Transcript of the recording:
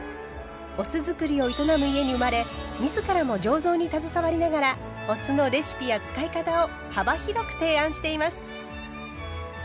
お酢造りを営む家に生まれ自らも醸造に携わりながらお酢のレシピや使い方を幅広く提案しています。